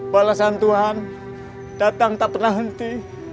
balasan tuhan datang tak pernah henti